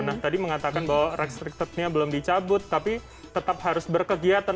nah tadi mengatakan bahwa restrictednya belum dicabut tapi tetap harus berkegiatan